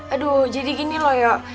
aduh jadi gini loh ya